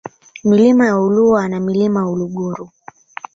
Milima ya Ulua na Milima ya Uluguru